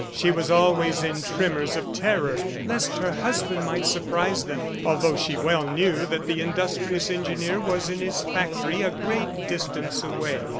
She was always in tremors of terror lest her husband might surprise them, although she well knew that the industrious engineer was in his factory a great distance away.